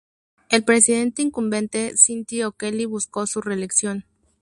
El presidente incumbente, Seán T. O'Kelly, buscó su reelección.